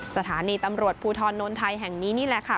สถานีตำรวจภูทรนนไทยแห่งนี้นี่แหละค่ะ